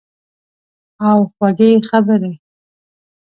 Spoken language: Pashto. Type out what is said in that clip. او خوږې خبرې